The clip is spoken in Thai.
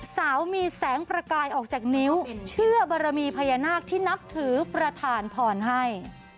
สาวมีแสงประกายออกจากนิ้วเชื่อบรมีพญานาคที่นับถือประธานพรให้